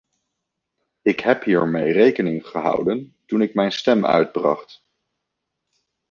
Ik heb hiermee rekening gehouden toen ik mijn stem uitbracht.